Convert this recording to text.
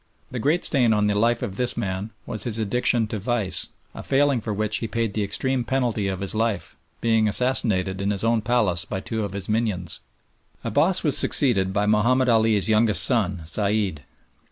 The great stain on the life of this man was his addiction to vice a failing for which he paid the extreme penalty of his life, being assassinated in his own palace by two of his minions. Abbass was succeeded by Mahomed Ali's youngest son, Said.